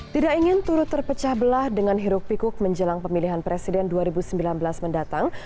tidak ingin turut terpecah belah dengan hiruk pikuk menjelang pemilihan presiden dua ribu sembilan belas mendatang